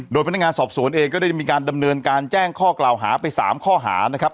โดยพนักงานสอบสวนเองก็ได้มีการดำเนินการแจ้งข้อกล่าวหาไป๓ข้อหานะครับ